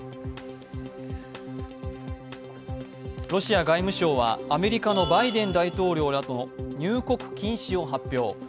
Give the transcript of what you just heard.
ロシア外務省はアメリカのバイデン大統領の入国禁止を発表。